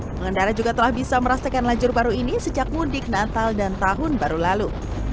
pengendara juga telah bisa merasakan lajur baru ini sejak mudik natal dan tahun baru lalu